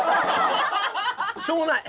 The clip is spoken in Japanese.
しょうもない。